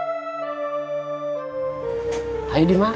bismillah dulu berdoa dulu